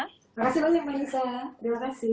terima kasih banyak mbak nissa